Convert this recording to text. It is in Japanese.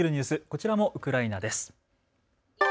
こちらもウクライナです。